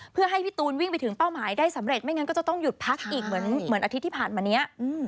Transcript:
เพื่อให้พี่ตูนวิ่งไปถึงเป้าหมายได้สำเร็จไม่งั้นก็จะต้องหยุดพักอีกเหมือนอาทิตย์ที่ผ่านมานี้